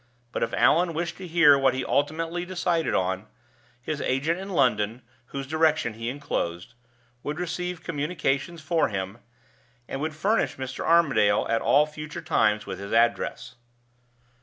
But if Allan wished to hear what he ultimately decided on, his agent in London (whose direction he inclosed) would receive communications for him, and would furnish Mr. Armadale at all future times with his address.